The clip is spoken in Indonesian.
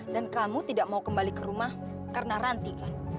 dan kamu tidak mau kembali ke rumah karena rantikan